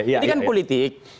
jadi kan politik